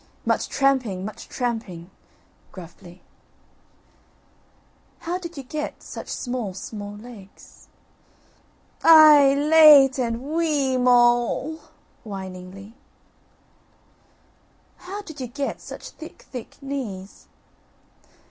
"Much tramping, much tramping" (gruffly). "How did you get such small small legs?" "Aih h h! late and wee e e moul" (whiningly). "How did you get such thick thick knees?"